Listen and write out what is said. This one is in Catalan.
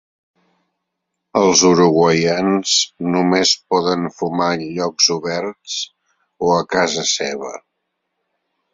Els uruguaians només poden fumar en llocs oberts o a casa seva.